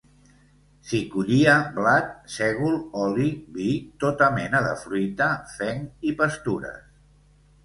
S'hi collia blat, sègol, oli, vi, tota mena de fruita, fenc i pastures.